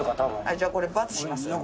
じゃあこれバツします。